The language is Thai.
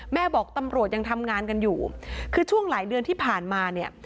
บอกตำรวจยังทำงานกันอยู่คือช่วงหลายเดือนที่ผ่านมาเนี่ย